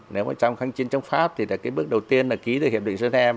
nếu mà trong kháng chiến trong pháp thì bước đầu tiên là ký được hiệp định sơn em